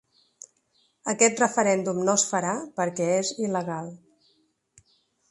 Aquest referèndum no es farà perquè és il·legal.